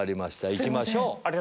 行きましょう！